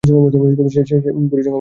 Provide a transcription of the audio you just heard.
আপনি নিজেকে তুলনামূলক শ্রেয় ভাবতে চান।